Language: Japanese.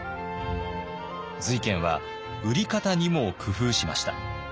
瑞賢は売り方にも工夫しました。